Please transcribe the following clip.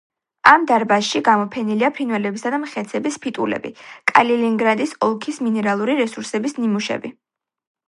ამ დარბაზში გამოფენილია ფრინველებისა და მხეცების ფიტულები, კალინინგრადის ოლქის მინერალური რესურსების ნიმუშები.